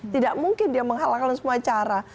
tidak mungkin dia menghalangkan semua cara